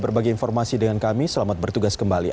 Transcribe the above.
berbagi informasi dengan kami selamat bertugas kembali